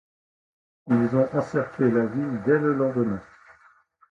Ils ont encerclé la ville dès le lendemain.